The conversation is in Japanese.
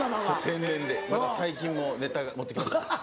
天然でまた最近もネタ持ってきました。